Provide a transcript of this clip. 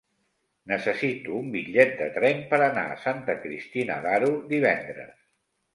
Necessito un bitllet de tren per anar a Santa Cristina d'Aro divendres.